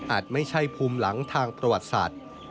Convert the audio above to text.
ไม่ใช่ภูมิหลังทางประวัติศาสตร์